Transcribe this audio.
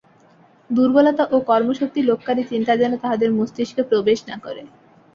দুর্বলতা ও কর্মশক্তিলোপকারী চিন্তা যেন তাহাদের মস্তিষ্কে প্রবেশ না করে।